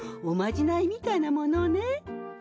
おまじないみたいなものね。